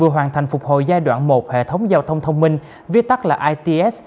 hoàn thành phục hồi giai đoạn một hệ thống giao thông thông minh viết tắt là its